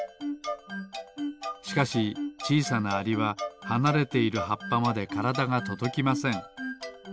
しかしちいさなアリははなれているはっぱまでからだがとどきません。